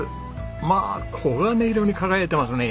まあ黄金色に輝いてますね。